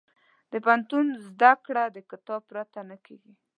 د پوهنتون زده کړه د کتاب پرته نه کېږي.